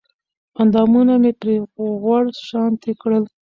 اندامونه مې پرې غوړ شانتې کړل